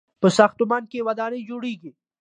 په ساختمان کې ودانۍ جوړیږي.